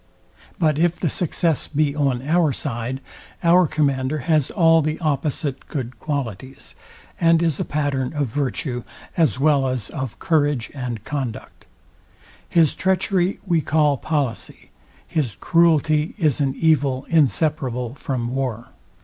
But if the success be on our side, our commander has all the opposite good qualities, and is a pattern of virtue, as well as of courage and conduct. His treachery we call policy: His cruelty is an evil inseparable from war.